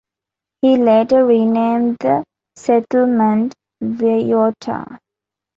He later renamed the settlement Wiota.